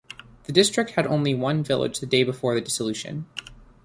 The district had only one village the day before the dissolution.